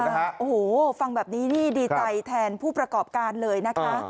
โอ้โหฟังแบบนี้นี่ดีใจแทนผู้ประกอบการเลยนะคะ